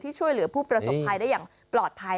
ช่วยเหลือผู้ประสบภัยได้อย่างปลอดภัย